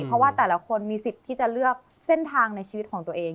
เพราะว่าแต่ละคนมีสิทธิ์ที่จะเลือกเส้นทางในชีวิตของตัวเอง